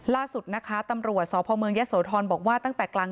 ล่าสุดนะคะตำรวจสพเมืองยะโสธรบอกว่าตั้งแต่กลาง